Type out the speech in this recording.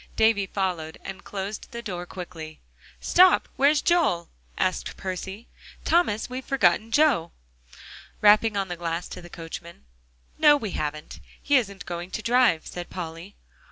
Davie followed, and closed the door quickly. "Stop! where's Joel?" asked Percy. "Thomas, we've forgotten Joe," rapping on the glass to the coachman. "No, we haven't; he isn't going to drive," said Polly.